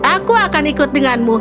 aku akan ikut denganmu